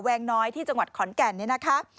วงน้อยที่จังหวัดขอนแก่นเนี่ยนะคะ